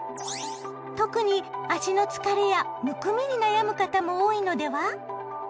特に足の疲れやむくみに悩む方も多いのでは？